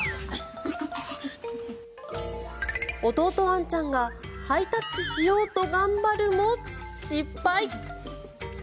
ワンちゃんがハイタッチしようと頑張るも失敗。